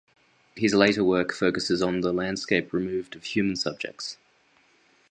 His later work focuses on the landscape removed of human subjects.